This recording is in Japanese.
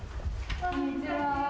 こんにちは。